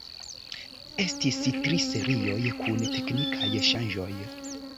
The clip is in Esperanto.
Estis tri serioj kun teknikaj ŝanĝoj.